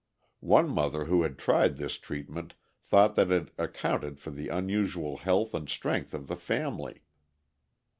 One mother who had tried this treatment thought that it accounted for the unusual health and strength of the family.